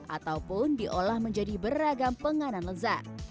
ataupun diolah menjadi beragam penganan lezat